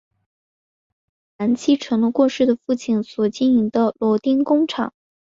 铃木岛男承继了过世的父亲所经营的螺钉工厂。